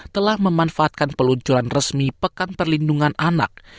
telah memanfaatkan peluncuran resmi pekan perlindungan anak